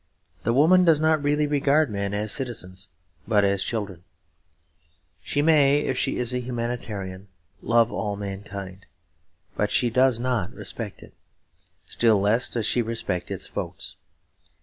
The woman does not really regard men as citizens but as children. She may, if she is a humanitarian, love all mankind; but she does not respect it. Still less does she respect its votes.